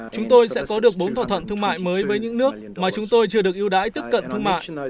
chúng tôi sẽ có được bốn thỏa thuận thương mại mới với những nước mà chúng tôi chưa được ưu đãi tiếp cận thương mại